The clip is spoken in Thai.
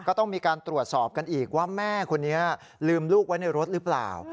ก็ต้องมีการตรวจสอบกันอีกว่าแม่คนนี้ลืมลูกไว้ในรถหรือเปล่า